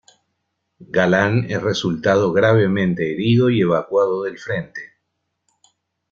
Galán es resultado gravemente herido y evacuado del frente.